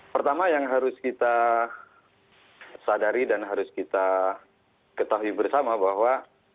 pertama yang harus kita sadari dan harus kita ketahui bersama bahwa